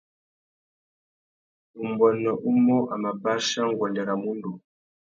Umbuênê umô a mà bachia nguêndê râ mundu.